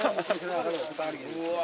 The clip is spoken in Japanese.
うわ